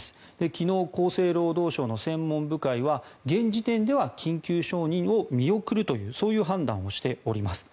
昨日、厚生労働省の専門部会は現時点では緊急承認を見送るという判断をしております。